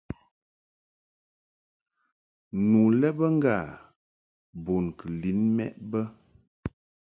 Nu lɛ bə ŋgâ bun kɨ lin mɛʼ bə.